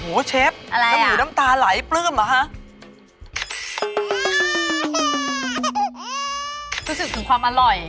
โอ้โหเชฟแล้วหรือน้ำตาหลายปลื้มเหรอฮะ